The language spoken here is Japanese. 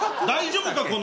大丈夫か？